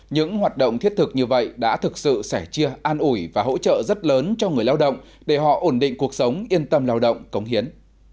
những hoạt động thiết thực như vậy đã thực sự sẻ chia an ủi và hỗ trợ rất lớn cho người lao động để họ ổn định cuộc sống yên tâm lao động cống hiến